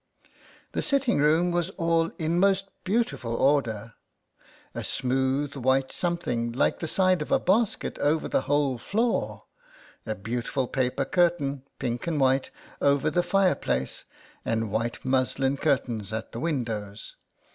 The sitting room was all in most beautiful order, a smooth white something, like the side of a basket, over the whole floor, a beau tiful paper curtain, pink and white, over the fire place, and white muslin curtains at the windows.